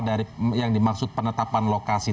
dari yang dimaksud penetapan lokasi